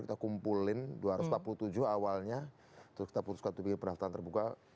kita kumpulin dua ratus empat puluh tujuh awalnya terus kita putuskan tujuh pendaftaran terbuka